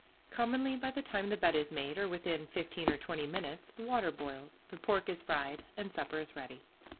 Commonly, by the time the bed is made, or within fifteen or twenty minutes, the water boils, the pork is fried, and supper is ready.